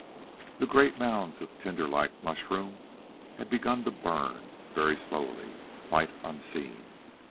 The great mounds of tinderlike mushroom had begun to burn very slowly, quite unseen.